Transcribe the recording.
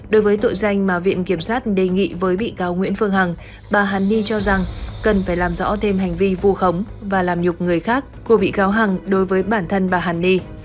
đối với tội danh mà viện kiểm sát đề nghị với bị cáo nguyễn phương hằng bà hàn ni cho rằng cần phải làm rõ thêm hành vi vu khống và làm nhục người khác của bị cáo hằng đối với bản thân bà hàn ni